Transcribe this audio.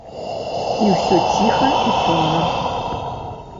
І ўсё ціха і цёмна.